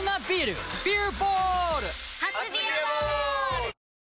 初「ビアボール」！